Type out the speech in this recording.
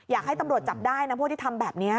อยากให้ตำรวจจับได้นะพวกที่ทำแบบนี้